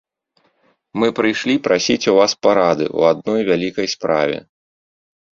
Мы прыйшлі прасіць у вас парады ў адной вялікай справе.